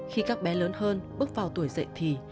khi các bé lớn hơn bước vào tuổi dậy thì